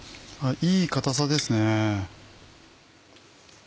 いい固さですね。